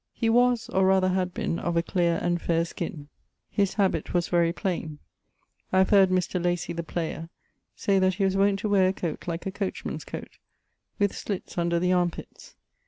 He was (or rather had been) of a clear and faire skin; his habit was very plaine. I have heard Mr. Lacy, the player, say that he was wont to weare a coate like a coach man's coate, with slitts under the arme pitts.